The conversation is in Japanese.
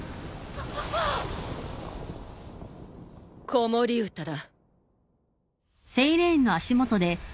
子守歌だ。